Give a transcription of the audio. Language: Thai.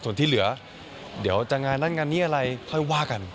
ส่วนที่เหลือเดี๋ยวจะงานนั้นงานนี้อะไรค่อยว่ากัน